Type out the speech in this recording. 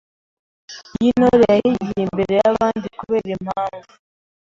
y’Intore yahigiye imbere y’abandi; kubera impamvu